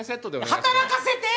働かせて！